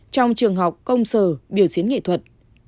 trong trường học công sở biểu diễn nghệ thuật